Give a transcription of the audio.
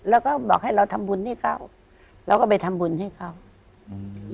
แล้วก็บอกให้เราทำบุญให้เขาเราก็ไปทำบุญให้เขาอืม